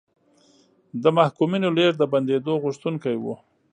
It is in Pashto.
د محکومینو لېږد د بندېدو غوښتونکي وو.